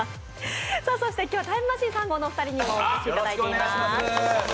そして今日はタイムマシーン３号のお二人にもお越しいただいております。